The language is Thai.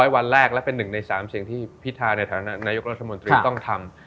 วันแรกและเป็น๑ใน๓สิ่งที่พิธาในฐานะนายกรัฐมนตรีต้องทำ